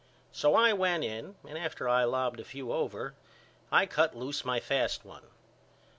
So I went in and after I lobbed a few over I cut loose my fast one.